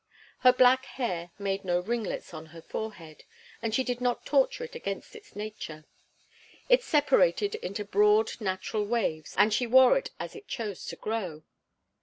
Her black hair made no ringlets on her forehead, and she did not torture it against its nature. It separated in broad, natural waves, and she wore it as it chose to grow.